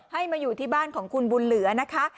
ให้มาอยู่ที่บ้านของคุณบุญเหลือนะคะ